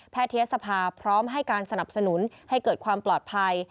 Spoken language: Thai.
เทศภาพร้อมให้การสนับสนุนให้เกิดความปลอดภัย